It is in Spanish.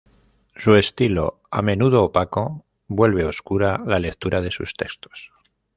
Su estilo, a menudo opaco, vuelve oscura la lectura de sus textos.